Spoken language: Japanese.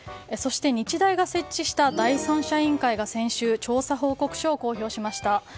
そして、日大が設置した第三者委員会が先週、調査報告書を公表しました。